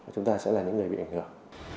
chúng ta sẽ là những người bị ảnh hưởng